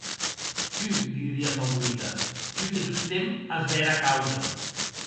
Tu, li didie Favorita, tu que tostemp as bèra causa.